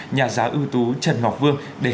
nhà giáo ưu tú trần ngọc vương để chia sẻ về vấn đề này